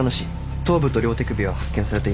頭部と両手首は発見されていません。